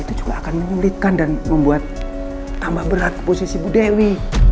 itu juga akan menyulitkan dan membuat tambah berat posisi bu dewi